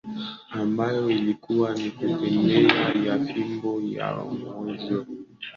ambayo ilikuwa ni kutembea na fimbo au mkongojo